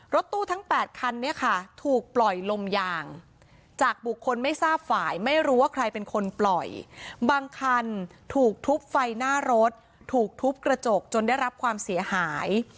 รถตู้ทั้ง๘คันเนี่ยค่ะถูกปล่อยลมยางจากบุคคลไม่ทราบฝ่ายไม่รู้ว่าใครเป็นคนปล่อยบางคันถูกทุบไฟหน้ารถถูกทุบกระจกจนได้รับความเสียหาย